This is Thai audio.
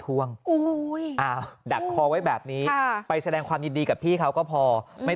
ดักคอไว้แบบนี้ไปแสดงความยินดีกับพี่เขาก็พอไม่